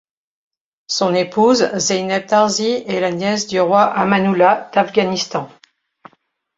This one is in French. Son épouse, Zeynep Tarzi, est la nièce du roi Amanullah d'Afghanistan.